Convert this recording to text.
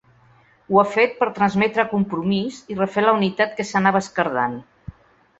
Ho ha fet per transmetre compromís i refer la unitat que s’anava esquerdant.